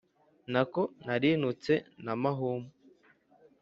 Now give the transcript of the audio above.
nako narintutse na mahuma,